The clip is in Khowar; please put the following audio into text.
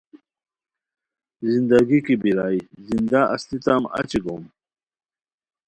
زندگی کی بیرائے کی زندہ استیتام اچی گوم